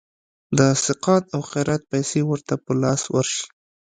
د سقاط او خیرات پیسي ورته په لاس ورشي.